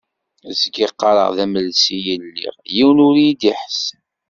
Zgiɣ qqareɣ d amelsi i lliɣ, yiwen ur yi-d-iḥess.